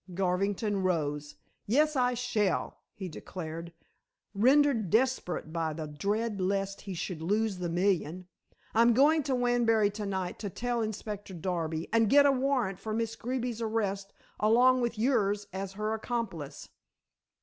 Garvington rose. "Yes, I shall," he declared, rendered desperate by the dread lest he should lose the million. "I'm going to Wanbury to night to tell Inspector Darby and get a warrant for Miss Greeby's arrest along with yours as her accomplice."